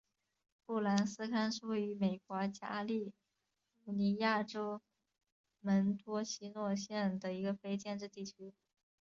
布兰斯康是位于美国加利福尼亚州门多西诺县的一个非建制地区。